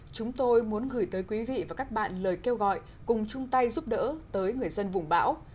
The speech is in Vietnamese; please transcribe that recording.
chúng tôi muốn gửi tới quý vị và các bạn lời kêu gọi cùng chung tay giúp đỡ tới người dân vùng bão